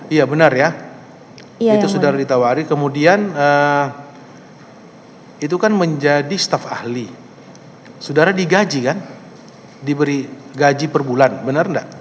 iya benar ya itu saudara ditawari kemudian itu kan menjadi staf ahli saudara digaji kan diberi gaji per bulan benar nggak